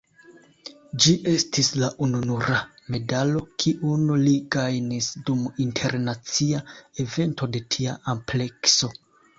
Ĝi estis la ununura medalo kiun li gajnis dum internacia evento de tia amplekso.